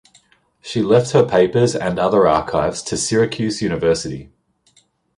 She left her papers and other archives to Syracuse University.